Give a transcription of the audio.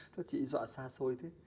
thôi chị dọa xa xôi thế